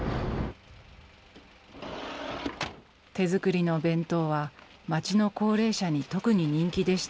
手作りの弁当は町の高齢者に特に人気でした。